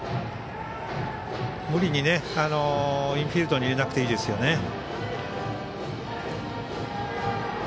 無理にインフィールドに入れなくてもいいですね。